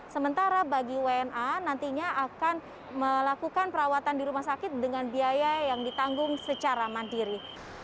sementara bagi wna nantinya akan melakukan perawatan di rumah sakit dengan biaya yang ditanggung secara mandiri